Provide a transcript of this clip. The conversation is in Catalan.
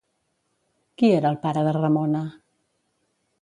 Qui era el pare de Ramona?